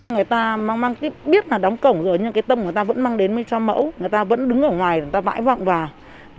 người ta biết là đóng cổng rồi nhưng cái tâm của người ta vẫn mang đến cho mẫu người ta vẫn đứng ở ngoài người ta vãi vọng vào